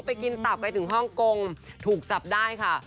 ไปกินตับไกลถึงฮ่องกงถูกจับได้ค่ะ